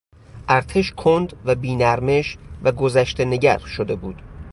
ارتش کند و بی نرمش و گذشتهنگر شده بود.